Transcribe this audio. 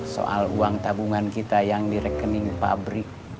soal uang tabungan kita yang direkening pabrik